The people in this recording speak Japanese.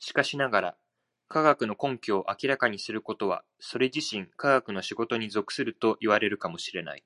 しかしながら、科学の根拠を明らかにすることはそれ自身科学の仕事に属するといわれるかも知れない。